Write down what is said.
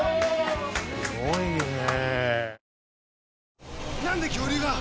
すごいね。